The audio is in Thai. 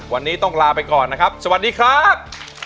วันนี้ต้องลาไปก่อนนะครับสวัสดีครับ